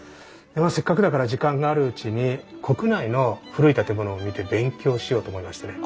せっかくだから時間があるうちに国内の古い建物を見て勉強しようと思いましてね。